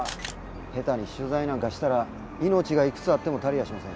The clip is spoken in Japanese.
下手に取材なんかしたら命が幾つあっても足りやしません。